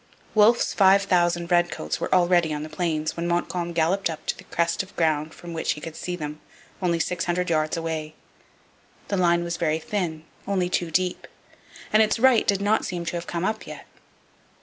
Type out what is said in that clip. Wolfe's 5,000 redcoats were already on the Plains when Montcalm galloped up to the crest of ground from which he could see them, only six hundred yards away. The line was very thin, only two deep, and its right did not seem to have come up yet.